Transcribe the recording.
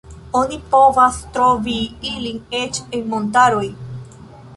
Oni povas trovi ilin eĉ en montaroj.